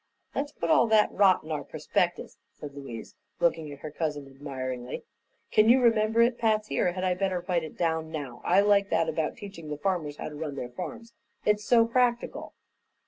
"Let's put all that rot in our prospectus," said Louise, looking at her cousin admiringly. "Can you remember it, Patsy, or had I better write it down now? I like that about teaching the farmers how to run their farms; it's so practical."